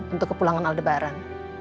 untuk kepulangan aldebaran